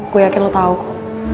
gue yakin lo tau